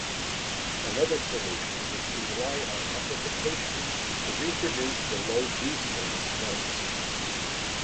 Another solution is to rely on amplification to reproduce the low "B" string's notes.